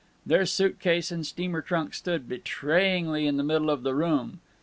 Their suit case and steamer trunk stood betrayingly in the middle of the room.